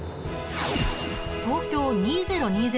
東京２０２０